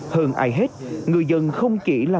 hơn ai hết người dân không chỉ là